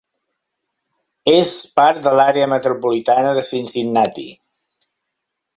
És part de l'àrea metropolitana de Cincinnati.